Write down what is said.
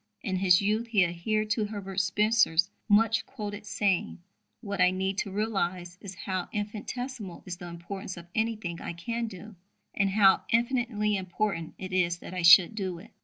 In his youth he adhered to Herbert Spencer's much quoted saying: "What I need to realize is how infinitesimal is the importance of anything I can do, and how infinitely important it is that I should do it."